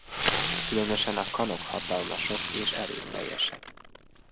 Különösen a kanok hatalmasok és erőteljesek.